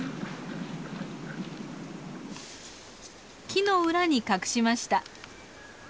木の裏に隠しました。